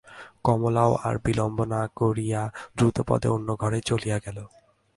কমলাও আর বিলম্ব না করিয়া দ্রুতপদে অন্য ঘরে চলিয়া গেল।